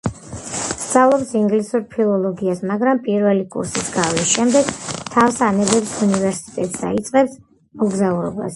სწავლობს ინგლისურ ფილოლოგიას, მაგრამ პირველი კურსის გავლის შემდეგ თავს ანებებს უნივერსიტეტს და იწყებს მოგზაურობას.